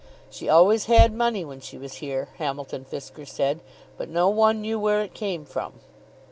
"She always had money when she was here," Hamilton Fisker said, "but no one knew where it came from."